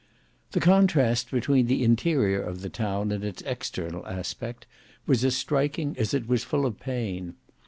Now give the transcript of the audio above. The contrast between the interior of the town and its external aspect, was as striking as it was full of pain.